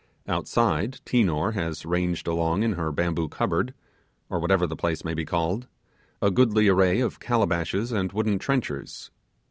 Outside, Tinor has ranged along in her bamboo cupboard or whatever the place may be called a goodly array of calabashes and wooden trenchers.